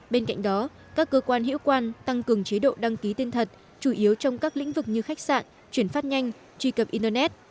bên cạnh đó các cơ quan hiệu quan tăng cường chế độ đăng ký tên thật chủ yếu trong các lĩnh vực như khách sạn chuyển phát nhanh truy cập internet